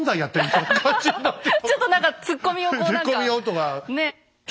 ちょっと何かツッコミをこう何か。